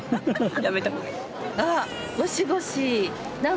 やめた方がいい。